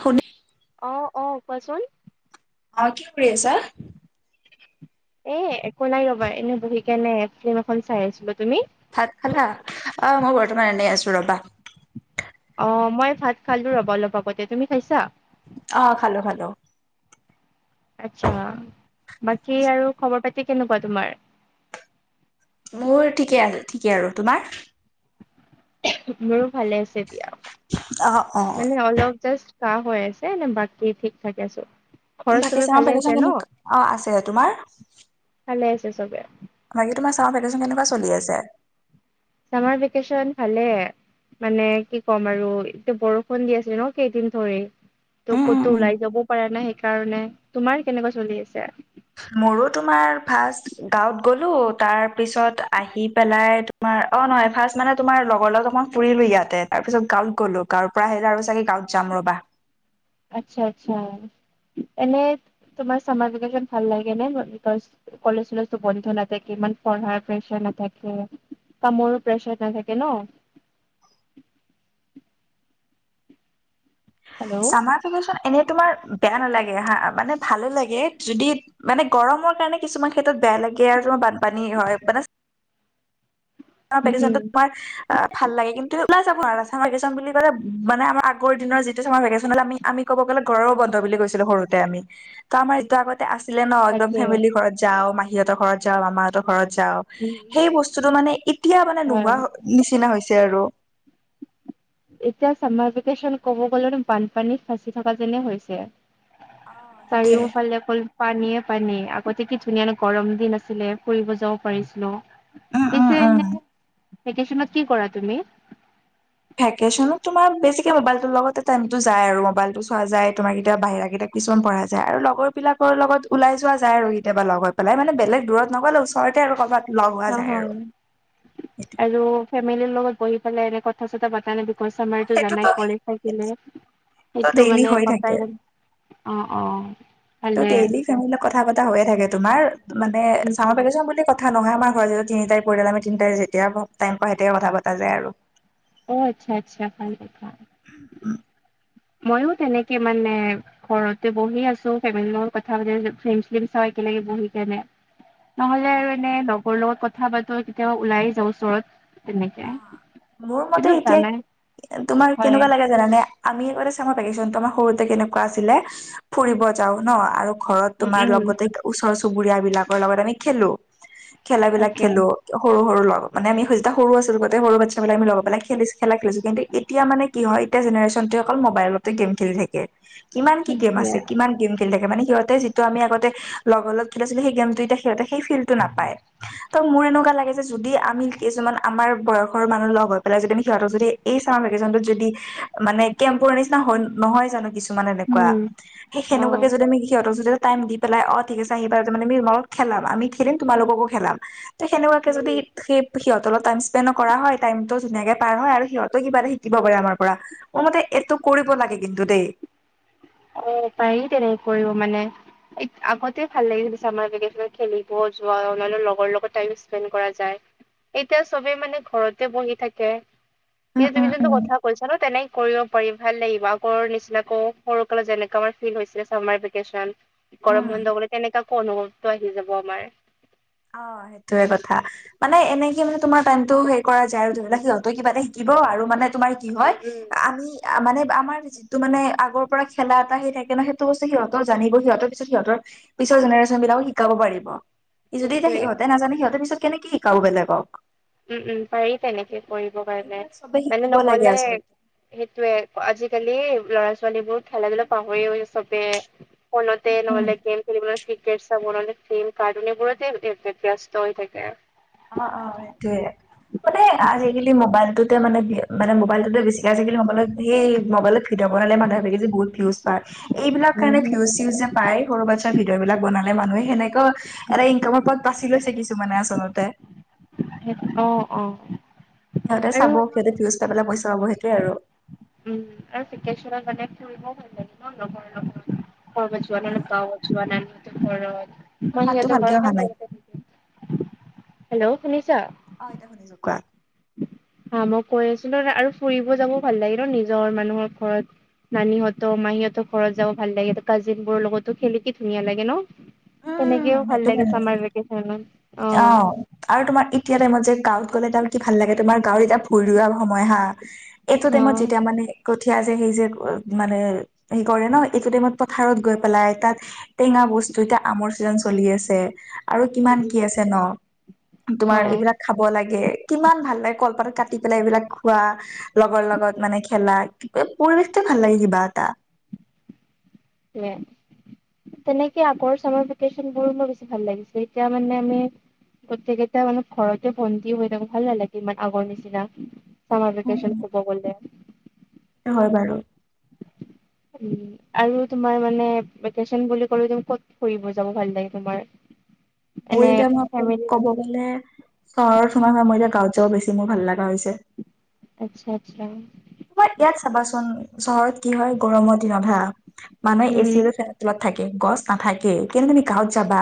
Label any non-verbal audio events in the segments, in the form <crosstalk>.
শুনি অ অ কোৱাচোন অ কি কৰি আছা? এ একো নাই ৰবা এনে বহি কেনে ফিল্ম এখন চাই আছিলো তুমি। ভাত খালা অ মই বৰ্তমান এনেই আছো ৰবা। অ মই ভাত খালো ৰব অলপ আগতে তুমি খাইছা। অ খালো খালো। আচ্ছা বাকী আৰু খবৰ পাতি কেনেকুৱা তোমাৰ। মোৰ ঠিকে আৰু ঠিকে আৰু তোমাৰ। মোৰো ভালে আছে দিয়া অ অ মানে অলপ জাছ। কাহ হৈ আছে নে বাকী ঠিক থাকে আছো। ঘৰত বাকি চবে চামাৰ ভালে আছে ভেকেচন ন? কেনেকুৱ, অ‌ আছে তোমাৰ। ভালে আছে চবে। বাকী তোমাৰ চামাৰ ভেকেচন কেনেকুৱা চিলি আছে। চামাৰ ভেকেচন ভালে। মানে কি ক'ম আৰু এটো বৰষুণ দি আছে ন কেইদিন ধৰি। ত উম উম ক'তো উম। ওলাই যাবও পাৰা নাই সেইকাৰণে তোমাৰ কেনেকুৱা চলি আছে। মোৰো তোমাৰ ফাৰ্ষ্ট গাঁৱত গ'লো তাৰ পিছত আহি পেলাই তোমাৰ অ নহয় ফাৰ্ষ্ট মানে তোমাৰ লগৰ লগত অকন ফুৰিলো ইয়াতে তাৰ পিছত গাঁৱত গ'লো গাঁৱৰ পৰা আহিলে আৰু চাগে গাঁৱত যাম ৰবা। আচ্ছা আচ্ছা এনে তোমাৰ চামাৰ ভিকেচন ভাল লাগে নে বিকৌজ কলেজ চলেজো বন্ধ নাথাকে ইমান পঢ়াৰ প্ৰেচাৰ নাথাকে। কামৰো প্ৰেছাৰ নাথাকে ন। হেল্ল' চামাৰ ভেকেশচন এনেই তোমাৰ বেয়া নালাগে হা মানে ভালো লাগে যদি। মানে গৰমৰ কাৰণে কিছুমান ক্ষেত্ৰত বেয়া লাগে আৰু তোমাৰ বানপানী হয় মানে। তোমাৰ উম হম পেকেছনটোত তোমাৰ। অ ভাল লাগে কিন্তু ওলাই যাব আৰু ভেকেচন বুলি ক'লে মানে আমাৰ আগ দিনৰ যিটো চমাৰ ভেকেচনলে আমি। আমি ক'ব গ'লে ঘৰৰ বন্ধ বুলি কৈছিলো সৰুতে আমি। আমাৰ এতিয়া আগতে আছিলে ন একদম তাকে ফেমিলিৰ ঘৰত যাও মিহীহঁতৰ ঘৰত যাও মামাহঁতৰ ঘৰত যাও। উম উম সেই বস্তুটো মানে ইতিয়া মানে হয় নোহোৱা নিচিনা হৈছে আৰু। এতিয়া চামাৰ ভেকেশচন কব গ'লেও বানপানীত ফাঁচি থকা যেনে হৈছে। অ সেইটোয়ে চাৰিওফালে অকল পানীয়েে পানীয়ে আগতে কি ধুনীয়া ন গৰম দিন আছিলে ফুৰিব যাব পাৰিছিলো। উম উম পিছে উম এনে ভেকেচনত কি কৰা তুমি? ভেকেশচনত তোমাৰ বেছিকে মোবাইলতো লগতে টাইমটো যায় আৰু মোবাইল টো চোৱা যায় তোমাৰ কেতিয়া বাহিৰা কেইটা কিছুমান পঢ়া যায় আৰু লগৰ বিলাকৰ লগত ওলাই যোৱা যায় আৰু কেতিয়াবা লগৰ পেলাই মানে বেলেগ দূৰত নগলেও ওচ ৰতে আৰু ক'বাত। অ হ সেইটোৱে আৰু ফেমেলিৰ লগত বহি পেলাই এনে কথা চথা পাতা নে তু অ', ছামাৰটো সেইটোতো জানাই কলেজ থাকিলে, সেইটোতো সেইটো ডেইলি মানে হৈ থাকে পাপাই অ অ সেইটো ভালে ডেইলি ফেমিলি কথা পতা হৈয়ে থাকে তোমাৰ মানে উম চামৰ উম ভেকেচন বুলি ক কথা নহয় আমাৰ ঘৰত যদি তিনিটাই পৰিয়াল, আমি তিনিতাই যেতিয়াই টাইম পাও সেতিয়াই কথা পতা যায় আৰু। অ আচ্ছা আচ্ছা ভালে ভা। উম ময়ো তেনেকে মানে ঘৰতে বহি আছো ফেমেলিৰ লগত কথা পাতি আছো ফ্লিম চিলিম চাই একেলগে বহি কেনে। অ নহলে আৰু এনে লগৰ লগত কথা পাতো কেতিয়াবা ওলাই যাও ওচৰত। তেনেকে অ মোৰ মতে কিন্তু এতিয়া জানাই তোমাৰ হয় কেনেকুৱা লাগে জানানে? আমি আগতে চামাৰ ভেকেশনটো আমাৰ সৰুতে কেনেকুৱা আছিলে ফুৰিব যাও ন আৰু ঘৰত উম তোমাৰ উম লগতে ওচৰ চুবুৰীয়া বিলাকৰ লগত আমি খেলো, খেলা বিলাক তাকে খেলো। সৰু-সৰু লগ, মানে আমি সইচদা সৰু আছিলো গোটেই সৰু বাচ্ছাবিলাক আমি লগ পেলাই খেলিছো খেলা খেলিছো, কিন্তু এতিয়া মানে কি হয় এতিয়া জেনেৰেচনটোৱে অকল মবাইলত তে গেম খেলি থাকে, কিমান কি গেম আছে, সেইটোৱে কিমান গেম খেলি থাকে মানে সিহঁতে যিটো আমি আগতে লগৰ লগ খেলিছিলো সেই গেমটো এতিয়া সিহঁতে সেই ফিল্টো নাপায়। ত মোৰ এনেকুৱা লাগে যে, যদি আমি কিছুমান আমাৰ বয়সৰ মানুহ লগ হৈ পেলাই যদি, আমি সিহঁতৰ যদি এই চামাৰ ভেকেশচনতোত যদি মানে কেম্পুৰ নিচিনা হয় নহয় জানো কিছু মানে এনেকুৱা, উম সেই অ সেনেকুৱাকে যদি আমি সিহঁতক যদি এটা টাইম দি পেলাই অঁ ঠিক আছে আহিবা। তামানে যি মন খেলাবা, আমি খেলিম, তোমালোককো খেলাম। ত সেনেকুৱাকে যদি উম সেই সিয়তে তলত আইম স্পেন ন কৰা হয়, টাইমটো ধুনীয়াকে পাৰ হয় আৰু সিহঁতো কিবা এটা শিকিব পাৰে আমাৰ পৰা। মোৰ মতে এইটো কৰিব লাগে কিন্তু দেই। অ পাৰি তেনে কৰিব মানে। এইক আগতে ভাল লাগিছিল চামাৰ ভেকেশ্যনত খেলি, ব'ল যোৱা অনান্য লগৰ লগত টাইম স্পেণ্ড কৰা যায়। এতিয়া চবে মানে ঘৰতে বহি থাকে। কি উম তুমি উম যোনটো উম কথা কৈছা ন, তেনে কৰিব পাৰি ভাল লাগিব আগৰ নিচিনাকো। সৰুকালত যেনেকা আমাৰ ফিল হৈছিলে চামাৰ ভিকেচন, উম গৰম বন্ধ গলে তেনেকা কো অনুভৱ সি যাব আমাৰ। অ সেইটোৱে কথা। মানে এনেকে মানে তোমাৰ টাইমটো সেই কৰা যায় আৰু ধৰি ল সিহঁতে কিবা এটা শিকিব আৰু মানে তোমাৰ কি হয়। উম উম। আমি মানে আমাৰ তো মানে আগৰ পৰা খেলা এটা সি থাকে ন, সেইটো বস্তু সিহঁতৰ জানিব, সিহঁতৰ পিছত সিহঁতৰ পিছৰ জেনেৰেশ্যন বিলাকো শিকাব পাৰিব। যদি এতিয়া সেইটোৱে সিহঁতে নাজানে, সিহঁতে পিছত কেনেকে শিকাব বেলেকক। উম উম পাৰি তেনেকে কৰিব কাৰণে, এইবিলাক চবে মানে শিকিব লাগে নহলে আচলতে সেইটোয়ে, আজিকালি ল'ৰা-ছোৱালীবোৰ খেলা-ধূলাত পাহৰিয়ে‌ গৈছে চবে। ফনতে উম নহলে গেম খেলিবলৈ, ক্ৰিকেট চাব নহ'লে টেম কাৰটুন এইবোৰতে ব্যস্ত হৈ থাকে। অঁ অঁ সেইটোয়ে, মানে আজিকালি মোবাইলটোতে মানে গে মানে মোবাইলতোটে বেছিকে আজিকালি মবাইলত ধেই, মবাইলত ভিদিঅ বনালে মানুহে আজিকালি বহুত ভিঊজ পায়। এইবিলাক কাৰণে উম, ভিউজ-চিউজ যে পায়, সৰু বাচ্ছা ভিডিঅ' বিলাক বনালে মানুহে, হেনেকাও এটা ইনকামৰ পথ বাছি লৈছে কিছুমানে আচলতে। অ অ। সিহঁতে চাব, আৰু সিহঁতে ভিউজ পাই পেলাই পইচা পাব সেইটোৱে আৰু। উম আৰু ভিকেচনত মানে ফুৰিবও ভাল লাগে ন লগৰ লগত। ক'ৰবাত হা হা? যোৱালেও পাওঁ। যোৱা নাই মই ত ঘৰত। তোৰ মই মাতটো সিহঁতৰ ভালকে ঘৰ অহা নাই। <unintelligible> হেল্ল' শুনিছা? অ এতিয়া শুনিছোঁ। কোৱা? অ মই কৈ আছিলোঁ ন আৰু ফুৰিব যাব ভাল লাগিল ন নিজৰ মানুহৰ ঘৰত। নানীহঁত, মাহীহঁতৰ ঘৰত যাব ভাল লাগে। কাজিন বোৰৰ লগতো খেলি কি ধুনীয়া লাগে ন? উম, তেনেকেও ভাল সেইটো লাগে কাৰণে। চামাৰ ভেকেচনত। অ। আৰু তোমাৰ এতিয়া টাইমত যে গাঁৱত গ'লে তাৰ কি ভাল লাগে, তোমাৰ গাঁৱত এতিয়া ভূঁই ৰোৱা সময় হা। এইটো টাইমত অ'। যেতিয়া মানে কঠীয়া যে সেই যে মানে হেৰি কৰে ন, এইটো টাইমত পথাৰত গৈ পেলাই তাত টেঙা বস্তু এতিয়া আমৰ ছিজন চলি আছে আৰু কিমান উম কি আছে ন। তোমাৰ উম এইবিলাক খাব লাগে, কিমান ভাল লাগে কলপাতত কাটি পেলাই এইবিলাক খোৱা। লগৰ লগত মানে খেলা, <unintelligible> পৰিৱেশটোৱে ভাল লাগে কিবা এটা। <unintelligible> তেনেকে আগৰ চামাৰ ভেকেছনবোৰ মোৰ বেছি ভাল লাগিছিল, এতিয়া মানে আমি গোটেইকেইটা মানে ঘৰতে বন্দি হৈ থাকো, ভাল নালাগে ইমান আগৰ নিচিনা। চামাৰ উম ভেকেশ্যন উম ক'ব গ'লে। হয় বাৰু। উম, আৰু তোমাৰ মানে ভেকেচন বুলি ক'লে তুমি ক'ত ফুৰিব যাব ভাল লাগে তোমাৰ। মোৰ এনে এতিয়া মই ফেমিলি ক'ব গ'লে চহৰৰ খনৰ পৰা মই এতিয়া গাঁৱত যাব বেছি মোৰ ভাল লগা হৈছে। আচ্ছা-আচ্ছা। এই ইয়াত চাবাচোন চহৰত কি হয় গৰমৰ দিনত হা, মানুহে এ উম চি লৈছে তলত থাকে, গছ নাথাকেই, কিন্তু তুমি গাঁৱত যাবা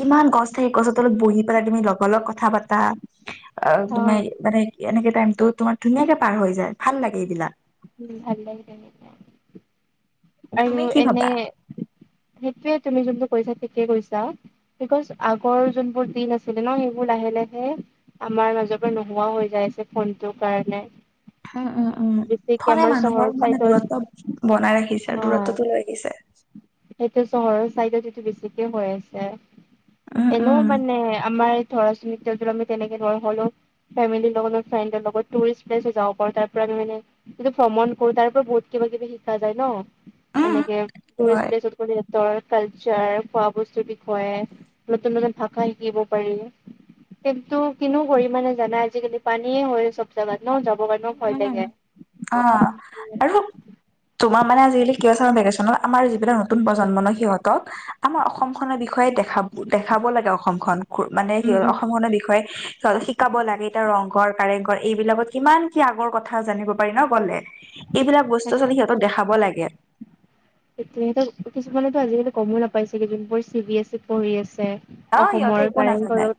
কিমান গছ থাকে, গছৰ তলত বহি পেলাই তুমি লগৰ লগত কথা পাতা। আৰু অ তুমি মানে এনেকে টাইমতো তোমাৰ ধুনীয়াকে পাৰ হৈ যায়, ভাল লাগে এইবিলাক। উম, ভাল লাগে তেনেকোৱা, আৰু তুমি কি এনে ভাবা সেইটোৱে তুমি যোনটো কৈছা ঠিকে কৈছা। বিকজ আগৰ যোনবোৰ দিন আছিলে ন, সেইবোৰ লাহে- লাহে আমাৰ মাজৰ পৰা নোহোৱা হৈ যায় আছে ফোনটোৰ কাৰণে। উম, উম, উম, বেছিকে ফোনে আমাৰ চহৰৰ মানুহৰ মানে চাইডত দূৰত্ব বনাই ৰাখিছে, হয় দূৰত্বটো লৈ আহিছে। সেইটো চহৰৰ চাইডত এইটো বেছিকে হৈ আছে। উম এনেও উম মানে আমাৰ ধৰা <unintelligible> আমি তেনেকে <unintelligible> হ'লেও ফেমিলিৰ লগত ফ্ৰেণ্ডৰ লগত টুৰিষ্ট প্লেচো যাব পাৰো, তাৰ পৰা তেনেকে <unintelligible> ভ্ৰমণ কৰো তাৰ পৰা বহুত কিবা কিবি শিকা যায় ন, উম এনেকে হয় টুৰিষ্ট প্লেচত। <unintelligible> ৰ কালচাৰ খোৱা বস্তুৰ বিষয়ে। নতুন-নতুন ভাষা শিকিব পাৰি। কিন্তু কিনো কৰিম মানে জানা আজিকালি পানীয়ে হয় চব জাগাত ন, যাবৰ কাৰণেও ভয় উম লাগে। উম অ', আৰু তোমাৰ মানে আজিকালি কিয় চামাৰ ভেকেচনত আমাৰ যিবিলাক নতুন প্ৰজন্ম ন সিহঁতক আমাৰ অসম খনৰ বিষয়ে দেখা দেখাব লাগে অসমখন। মানে উম সিহঁ উম অসমখনৰ বিষয়ে শিকাব লাগে এতিয়া ৰংঘৰ, কাৰেংঘৰ, এইবিলাকত কিমান কি আগৰ কথা জানিব পাৰি ন গ'লে, এইবিলাক বস্তু <unintelligible> তাকে সিহঁতক দেখাব লাগে। সেইটোৱে সিহঁতৰ কিছুমানেটো আজিকালি গমো নাপাই চাগে যোনবোৰ চি বি এছিত পঢ়ি আছে। অ সিহঁতে অসমৰ একো নাজানে কাৰেংঘৰক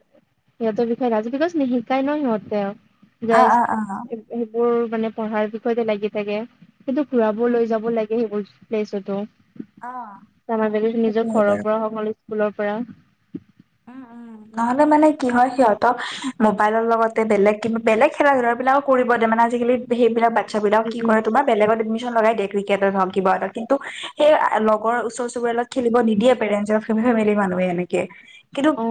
ইহঁত বিষয় নাজ, বিকজ নিহিকাই ন সিহঁতে, অ অ জাস্ত অ সেইবোৰ মানে পঢ়াৰ বিষয়তে লাগি থাকে, কিন্তু ঘুৰাবওঁ লৈ যাব লাগে সেইবোৰ প্লেছটো, অ চামাৰ ভেকেচন সেইটো নিজৰ হয় বাৰু ঘৰৰ পৰা হওঁক নহ'লে স্কুলৰ পৰা। উম, উম। নহ'লে মানে কি হয় সিঁহতক মোবাইলৰ লগতে বেলেগ কিবা বেলেগ খেলা ধুলা বিলাকো কৰিব দিয়ে মানে আজিকালি সেইবিলাক বাচ্ছা বিলাক উম কি উম কৰে তোমাক বেলেগত এডমিছন লগাই দিয়ে, ক্ৰিকেটত হওঁক কিবা এটা কিন্তু সেই লগৰ ওচৰ চুবুৰিয়া খেলিব নিদিয়ে পেৰেণ্টচে ফেমিলি মানুহে এনেকে, কিন্তু অ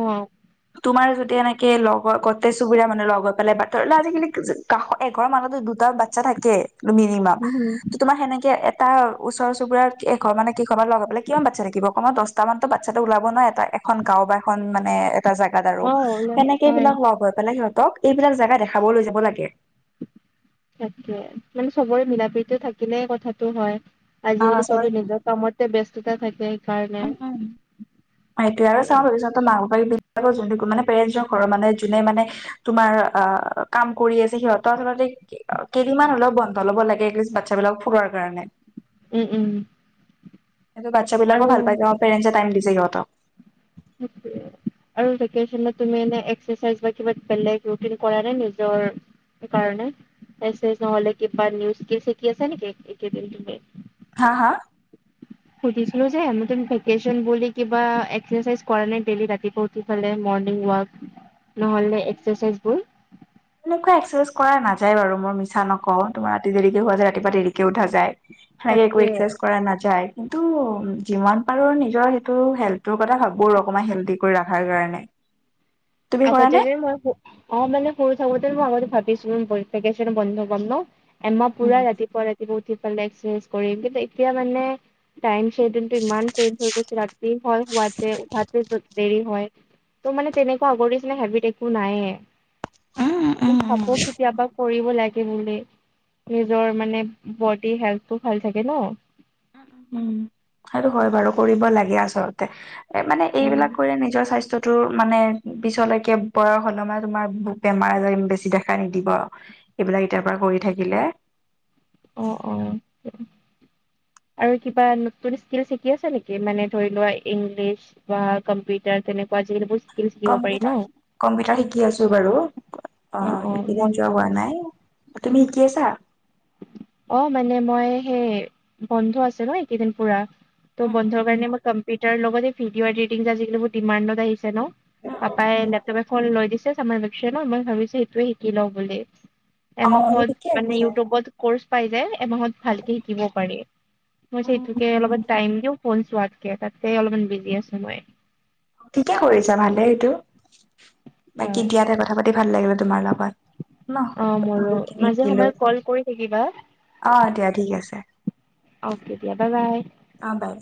তোমাৰ যদি এনেকে লগৰ গোটেই চুবুৰীয়া মানুহ লগ হৈ পেলাই <unintelligible> আজিকালি কাশ এঘৰ মানতো দুটা বাতচা থাকে মিনিমাম উম উম তোমাৰ সেনেকে এটা ওচৰ চুবুৰিয়াৰ এঘৰ মানে কেই ঘৰমান লগ হৈ পেলাই কিমান বাচ্ছা থাকিব কমেও দচ <unintelligible> বাচ্ছাটো ওলাব নোৱাৰে এটা এখন গাঁও বা এখন মানে এটা জেগাত আৰু অ সেনেকে হয় এইবিলাক হোৱা গৈ পেলাই সিহঁতক এইবিলাক জেগা দেখাব লৈ যাব লাগে। তাকে মানে চবৰে মিলা প্ৰীতি থাকিলে কথাটো হয়। অ, আজিকালি চৰি চবে নিজক কামতে ব্যস্ততা থাকে সেইকাৰণে উম, উম, সেইটোৱে, আৰু <unintelligible> বাইবিল তাকৌ যোনদিগো পেৰেনচ ঘৰ মানে যোনে মানে তোমাৰ আহ কাম কৰি আছে সিহঁত আচলতেই কেইদিনমান হ'লেও বন্ধ ল'ব লাগে একলিছ বাচ্ছা বিলাকক ফুৰোৱাৰ কাৰণে। উম উম। সেইটো বাচ্ছা বিলাকো ভাল আৰু পাইছে পেৰেণ্টছে টাইম দিছে সিহঁতক। সেইটোৱে আৰু ভেকেচনত তুমি এনে এক্সেছাই‌চ বা কিবা বেলেগ ৰুটিন কৰা নাই নিজৰ। সেই কাৰণে নহলে কি বা নিউজ শিকি আছে নেকি একেদিন তুমি? হা হা। সুধিছিলো যে ভেকেচন বুলি কিবা এক্সেচাইজ কৰা নাই ডেইলি ৰাতিপুৱা উঠ- ঠি ফালে মৰ্ণিং ৱাক। <inaudible> নহ'লে এক্সেৰচাইজ বোৰ। <inaudible> এনেকুৱা এক্সেৰচাইজ কৰা নাযায় বাৰু ম‌ই মিছা নকওঁ তোমাৰ ৰাতি দেৰিকে হোৱা যায় ৰাতিপুৱা দেৰিকে উঠা যায়। সেই একো তাকে এক্সেৰচাইজ কৰা নাযায়। কিন্তু যিমান পাৰো নিজৰ সেইটো হেল্থৰ কথা ভাবো আৰু অকমান হেলডি কৰি ৰখাৰ কাৰণে। <inaudible> কৰা আগতে নে? যে মই অ মানে সৰু থাকোতে মই আগতে ভাবিছো ভেকেচন বন্ধ পাম ন। এমাহ পুৰা উম ৰাতিপুৱা ৰাতিপুৱা উঠি পেলাই এক্সেৰচাইজ কৰিম কিন্তু এতিয়া মানে টাইম সেইদিনটো ইমান চেইঞ্জ হৈ গৈছে ৰাতি হয় হুৱাতে উঠাতে দেৰি হয়। ত মান তেনে আগৰ নিচিনা হেবিত একো নায়েই, উম উম কোন উম উম খাব কেতিয়াবা কৰিব লাগ- কি বোলে নিজৰ মানে বডি হেল্থটো ভাল থাকে ন। উম সেইটো হয় বাৰু কৰিব লাগে আচলতে এ মানে উম এইবিলাক কৰি নিজৰ স্বাস্থ্য। তোৰ মানে পিছলৈকে বয়স হলে মান তোমাৰ বেমাৰ আজাৰ বেছি দেখা নিদিব আও। সিবিলাক এতিয়াৰ পৰা কৰি থাকিলে। অ অ <inaudible> আৰু কিবা নতুন স্কিল শিকি আছে নেকি মানে ধৰি লোৱা ইংলিছ। বা কম্পিউটাৰ তেনেকুৱা জি বিছ। কম্পিউটাৰ কম্পিউটাৰ শিকি আছো বাৰু অ অ অ এইকেইদিন যোৱা ময়ো হোৱা নাই। তুমি শিকি আছা। অ মানে মই সেই বন্ধ আছে ন এইকেইদিন পুৰা ত বন্ধৰ কাৰণে মই কম- পিটাৰ লগতে ভিডিঅ' এডিটং আজিকালি বহু ডিমাণ্ডত আহিছে ন। পাপাই লেপ- তাপাই ফন লৈ দিছে চামাৰ ভেকেচন ত মই ভাবিছো সেইটোৱে শিকি লওঁ বুলি। অ মোৰ এমাহত ঠিকে মানে আছে ইয়উটউবত কৰ্চ পাই এমাহত ভালকে শিকিব পাৰি মই যে এইটোকে অলপ ট্ৰাই- টাইম দিও ফোন চোৱাতকে তাতকে অলপমান বিজি আছো মই। ঠিকে কৰিছা ভালে এইটো বাকী হয় দিয়াতে কথা পাতি ভাল লাগিলে তোমাৰ লগত। ন অ মোৰো বহুতখিনি মাজে শিকিলো সময়ে কল কৰি থাকিবা। অ দিয়া ঠিক আছে। অ কে দিয়া বাই বাই। অ বাই বাই।